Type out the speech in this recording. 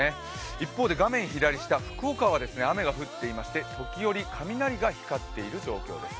一方で画面左下、福岡では雨が降っていまして時折、雷が光っている状況です。